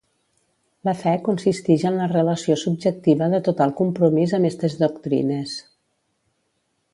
La fe consistix en la relació subjectiva de total compromís amb estes doctrines.